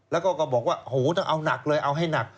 แล้วก็ก็บอกว่าโหต้องเอาหนักเลยเอาให้หนัก